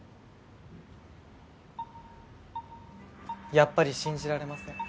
やっぱり信じられません